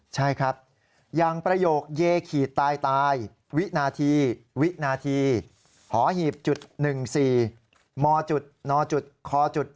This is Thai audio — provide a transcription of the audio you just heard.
ใช่ครับยางประโยคเยตายตายวินาทีหอหีบ๑๔มนค๖๒